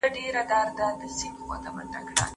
پۀ ماشومتوب كې بۀ چې خپلې مور هغه وهله